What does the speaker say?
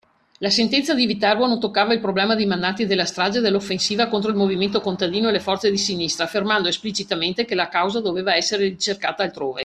La sentenza di Viterbo non toccava il problema dei mandanti della strage e dell'offensiva contro il movimento contadino e le forze di sinistra, affermando esplicitamente che la causa doveva essere ricercata altrove.